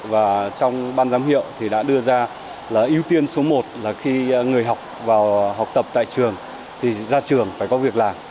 và trong ban giám hiệu thì đã đưa ra là ưu tiên số một là khi người học vào học tập tại trường thì ra trường phải có việc làm